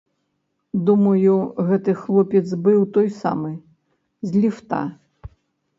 Думаю, гэты хлопец быў той самы, з ліфта.